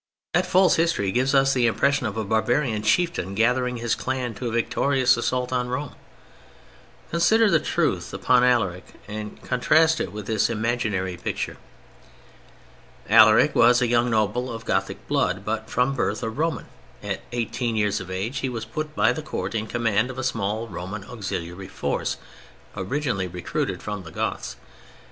That false history gives us the impression of a barbarian Chieftain gathering his Clan to a victorious assault on Rome. Consider the truth upon Alaric and contrast it with this imaginary picture. Alaric was a young noble of Gothic blood, but from birth a Roman; at eighteen years of age he was put by the Court in command of a small Roman auxiliary force originally recruited from the Goths.